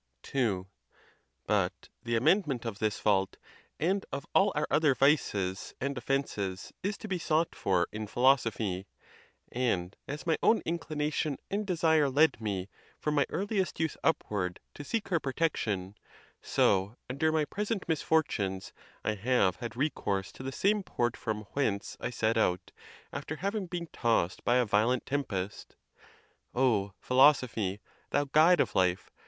II. But the amendment of this fault, and of all our other vices and offences, is to be sought for in philosophy: and as my own inclination and desire led me, from my earliest youth upward, to seek her protection, so, under my pres ent misfortunes, I have had recourse to the same port from whence I set out, after having been tossed by a violent tempest. O Philosophy, thou guide of life!